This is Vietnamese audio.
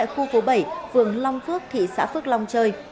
khu phố bảy phường long phước thị xã phước long chơi